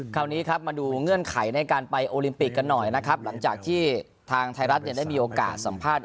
คราวนี้ครับมาดูเงื่อนไขในการไปโอลิมปิกกันหน่อยนะครับหลังจากที่ทางไทยรัฐเนี่ยได้มีโอกาสสัมภาษณ์